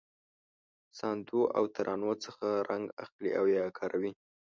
ساندو او ترانو څخه رنګ اخلي او یې کاروي.